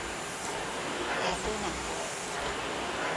Erdő nem volt.